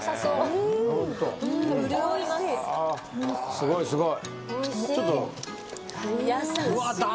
すごいすごい。